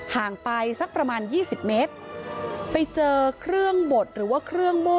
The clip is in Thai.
ห่างไปสักประมาณ๒๐เมตร